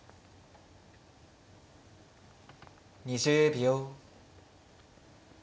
２０秒。